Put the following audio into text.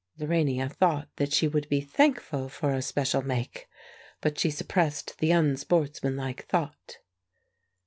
Lorania thought that she would be thankful for a special make, but she suppressed the unsportsmanlike thought.